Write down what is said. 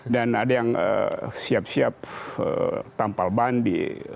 dan ada yang siap siap tampal ban di